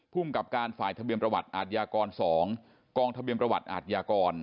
ภูมิกับการฝ่ายทะเบียนประวัติอาทยากร๒กองทะเบียนประวัติอาทยากร